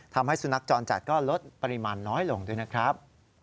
ทำให้สุนัขจรจัดก็ลดปริมาณน้อยลงด้วยนะครับ